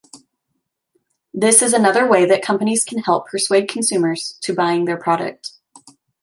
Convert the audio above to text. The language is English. This is another way that companies can help persuade consumers to buying their product.